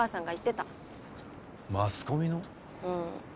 うん。